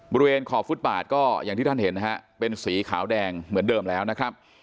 บริเวณขอบฟุตบาทก็อย่างที่ท่านเห็นนะฮะเป็นสีขาวแดงเหมือนเดิมแล้วนะครับ